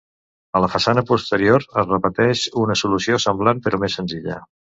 A la façana posterior es repeteix una solució semblant però més senzilla.